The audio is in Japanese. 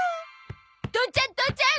父ちゃん父ちゃん！